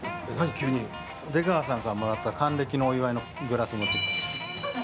出川さんからもらった還暦のお祝いのグラス持ってきた。